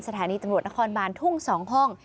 สถานีจังหลวดนครบานทุ่งสองห้อง